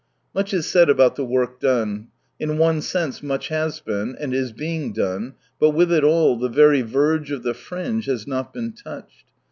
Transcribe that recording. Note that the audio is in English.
Much is said about the work done. In one sense much has been, and is being done, but with it all, the very verge of the fringe has not been touched.